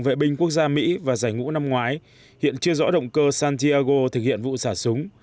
vệ binh quốc gia mỹ và giải ngũ năm ngoái hiện chưa rõ động cơ santiago thực hiện vụ xả súng